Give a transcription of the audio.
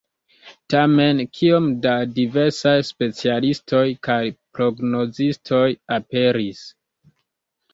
Tamen, kiom da diversaj specialistoj kaj prognozistoj aperis!